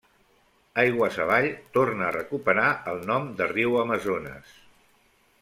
Aigües avall torna a recuperar el nom de riu Amazones.